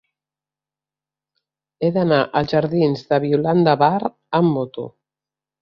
He d'anar als jardins de Violant de Bar amb moto.